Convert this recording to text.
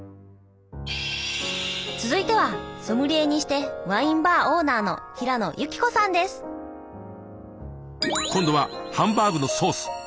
続いてはソムリエにしてワインバーオーナーの今度はハンバーグのソース！